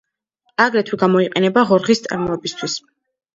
აგრეთვე გამოიყენება ღორღის წარმოებისთვის.